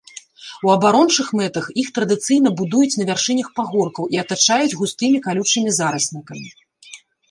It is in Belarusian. У абарончых мэтах іх традыцыйна будуюць на вяршынях пагоркаў і атачаюць густымі калючымі зараснікамі.